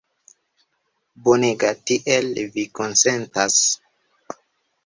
Bonega! Tiel, vi konsentas?